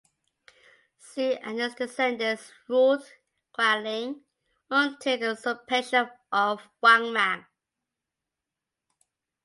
Xu and his descendants ruled Guangling until the usurpation of Wang Mang.